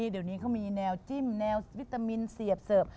เดี๋ยวนี้เขามีแนวจิ้มแนววิตามินเสียบเสิร์ฟ